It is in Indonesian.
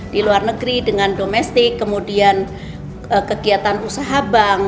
di luar negeri dengan domestik kemudian kegiatan usaha bank